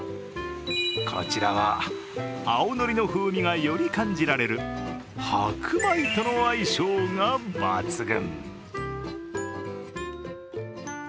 こちらは青のりの風味がより感じられる白米との相性が抜群。